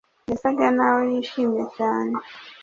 yasaga naho yishimye cyane